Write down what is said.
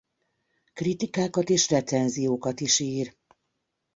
Kritikákat és recenziókat is ír.